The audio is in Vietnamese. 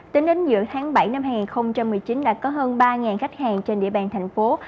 tính đến giữa tháng bảy năm hai nghìn một mươi chín đã có hơn ba khách hàng trên địa bàn thành phố